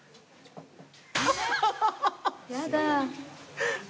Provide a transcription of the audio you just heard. やだ。